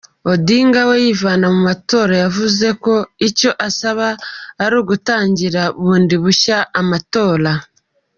Odinga we yivana mu matora, yavuze ko icyo asaba ari ugutangira bundi bushya amatora.